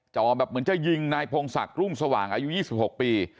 แบบเหมือนจะยิงนายพงศักดิ์รุ่งสว่างอายุ๒๖ปี